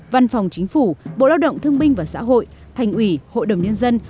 văn phòng chính phủ bộ lao động thương minh và xã hội thành ủy hội đồng nhân dân